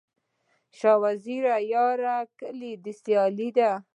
شاه وزیره یاره، کلي دي سیالي ده